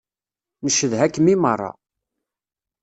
Ncedha-kem i meṛṛa.